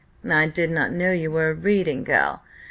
I did not know you were a reading girl.